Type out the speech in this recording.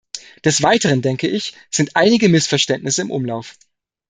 Desweiteren denke ich, sind einige Missverständnisse im Umlauf.